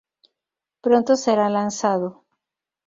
Pronto será lanzado.